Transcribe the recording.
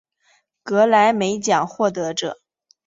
格莱美奖获得者。